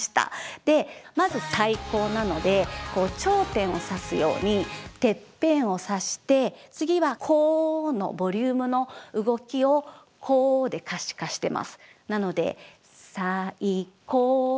でまず「最高」なのでこう頂点を指すようにてっぺんを指して次は「こう」のボリュームの動きを「こう」で可視化してます。